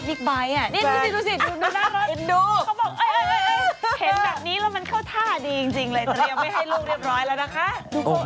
จะเรียบไว้ให้ลุงเรียบร้อยแล้วนะคะ